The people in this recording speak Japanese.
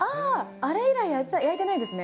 あれ以来、焼いてないですね。